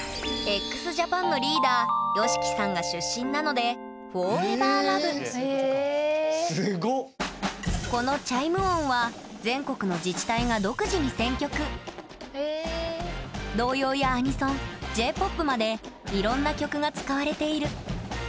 ＸＪＡＰＡＮのリーダーＹＯＳＨＩＫＩさんが出身なのでこのチャイム音は全国の自治体が独自に選曲童謡やアニソンＪーＰＯＰまでいろんな曲が使われている。